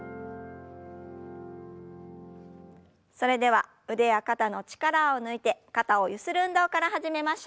それでは腕や肩の力を抜いて肩をゆする運動から始めましょう。